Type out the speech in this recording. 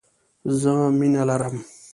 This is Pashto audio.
زه مينه لرم